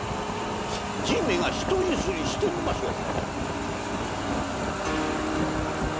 じぃめがひとゆすりしてみましょう。